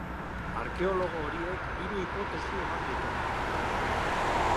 Arkeologo horiek hiru hipotesi eman dute.